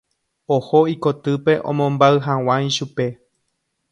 Oho ikotýpe omombáy hag̃ua ichupe.